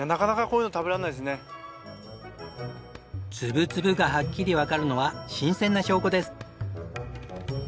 粒々がはっきりわかるのは新鮮な証拠です。